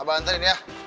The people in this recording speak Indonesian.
apaan tadi dia